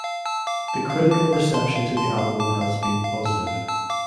The critical reception to the album has been positive.